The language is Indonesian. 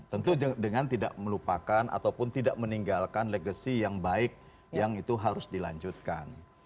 tentu dengan tidak melupakan ataupun tidak meninggalkan legacy yang baik yang itu harus dilanjutkan